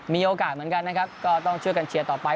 มีโอกาสเหมือนกันนะครับก็ต้องช่วยกันเชียร์ต่อไป